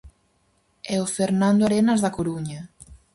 E o Fernando Arenas da Coruña.